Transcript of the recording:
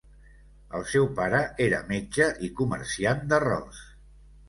El seu pare era metge i comerciant d'arròs.